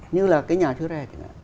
như là cái nhà chứa rè